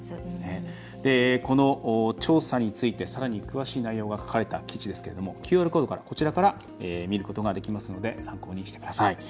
この調査についてさらに詳しい内容が書かれた記事ですけれどもＱＲコードから見ることができますので参考にしてください。